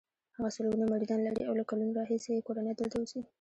هغه سلګونه مریدان لري او له کلونو راهیسې یې کورنۍ دلته اوسي.